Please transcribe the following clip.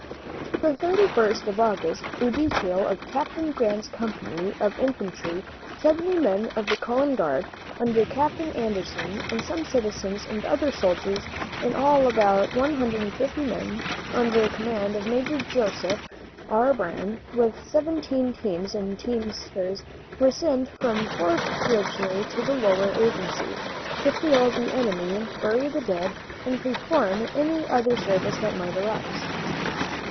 On the 31st of August a detail of Captain Grant's company of infantry, seventy men of the Cullen Guard, under Captain Anderson, and some citizens and other soldiers, in all about 150 men, under command of Major Joseph R. Brown, with seventeen teams and teamsters, were sent from Fort Ridgely to the Lower Agency, to feel the enemy, bury the dead, and perform any other service that might arise.